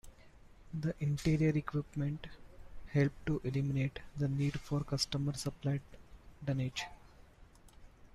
The interior equipment helped to eliminate the need for customer-supplied dunnage.